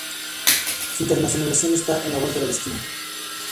Su internacionalización está a la vuelta de la esquina.